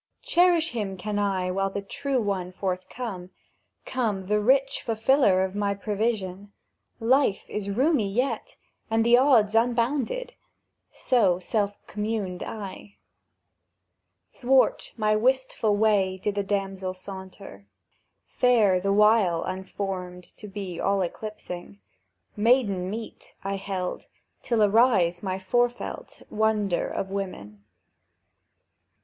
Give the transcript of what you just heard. "Cherish him can I while the true one forthcome— Come the rich fulfiller of my prevision; Life is roomy yet, and the odds unbounded." So self communed I. Thwart my wistful way did a damsel saunter, Fair, the while unformed to be all eclipsing; "Maiden meet," held I, "till arise my forefelt Wonder of women."